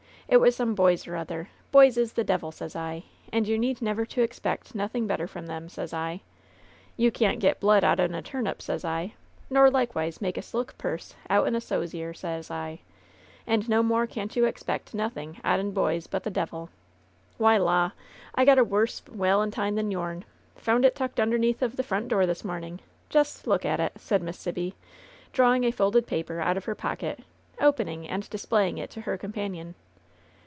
It was some boys or other ! Boys is the devil, sez I, and you need never t# LOVE'S BITTEREST CUP 69 expect nothing better from them, sez 1 1 You can't get blood out'n a turnip, sez I! nor likewise make a silk purse out'n a sow's ear, sez I, and no more can't you ex pect nothing out'n boys but the devil. Why, la ! I got a WUS3 walentine than youm! Found it tucked under neath of the front door this morning. Jest look at it !" said Miss Sibby, drawing a folded paper out of her pocket, opening and displaying it to her companion.